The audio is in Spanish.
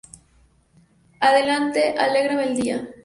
Adelante, alégrame el día